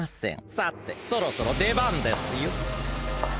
さてそろそろでばんですよ。